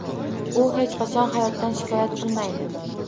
U hech qachon hayotdan shikoyat qilmaydi